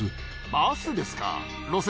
バスですか。